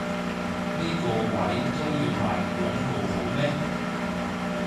呢個位都要賣廣告好咩？